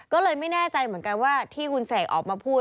ก็เลยไม่แน่ใจเหมือนกันว่าที่คุณเสกออกมาพูด